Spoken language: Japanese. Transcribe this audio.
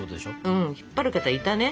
うん引っ張る方いたね。